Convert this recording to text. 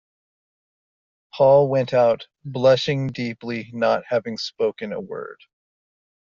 Paul went out, blushing deeply, not having spoken a word.